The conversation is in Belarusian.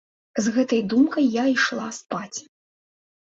З гэтай думкай я ішла спаць.